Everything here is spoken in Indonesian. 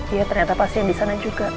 ya ternyata pasien di sana juga